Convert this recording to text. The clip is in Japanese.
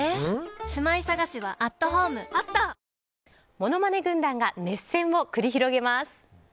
ものまね軍団が熱戦を繰り広げます。